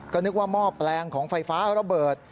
ก็นึกว่าหม้อแปลงของไฟฟ้าระเบิด